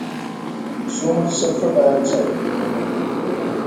So much sulfur dioxide!